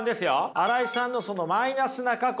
新井さんのそのマイナスな過去。